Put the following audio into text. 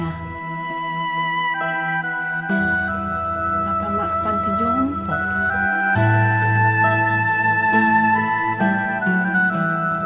apa mak ke pantai jumpo